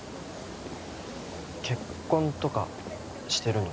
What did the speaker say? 結婚とかしてるの？